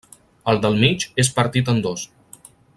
El del mig és partit en dos.